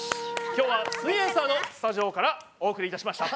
きょうは「すイエんサー」のスタジオからお送りいたしました。